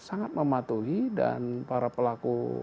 sangat mematuhi dan para pelaku